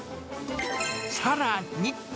さらに。